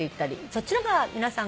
そっちの方が皆さん。